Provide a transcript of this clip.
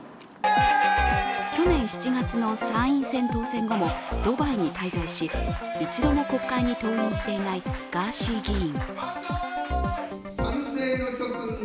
去年７月の参院選当選後もドバイに滞在し、一度も国会に登院していないガーシー議員。